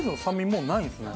もうないですね。